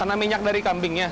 karena minyak dari kambing ya